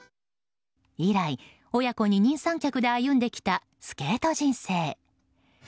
以来、親子二人三脚で歩んできたスケート人生。